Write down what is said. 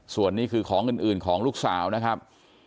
ส่วนนี้คือของอื่นของลูกสาวนะครับ